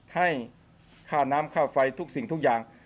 ให้ค่าน้ำค่าไฟทุกสิ่งทุกอย่าง